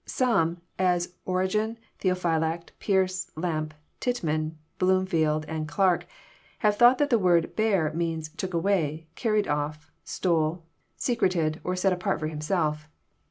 Some, as Origen, Theophylact, Pearce, Lampe, Tittman, Bloomfield, and Clarke, have thought that the word " bare " means " took away, carried oif, stole, secreted, or set apart for himself.